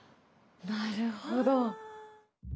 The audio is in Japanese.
なるほど。